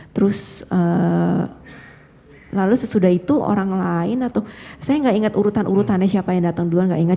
terus lalu sesudah itu orang lain atau saya nggak ingat urutan urutannya siapa yang datang duluan gak ingat